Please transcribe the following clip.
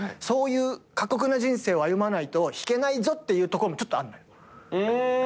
そういう過酷な人生を歩まないと弾けないぞっていうところもちょっとあるのよ。